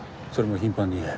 それも頻繁に。